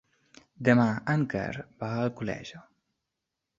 Demà en Quer va a Alcoleja.